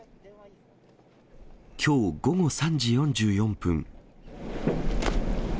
きょう午後３時４４分。